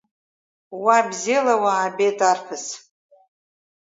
Уа, бзиала уаабеит арԥыс!